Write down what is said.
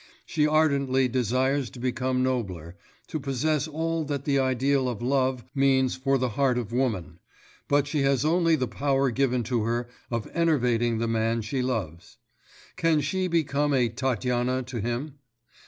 She ardently desires to become nobler, to possess all that the ideal of love means for the heart of woman; but she has only the power given to her of enervating the man she loves. Can she become a Tatyana to him?